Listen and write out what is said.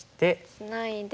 ツナいで。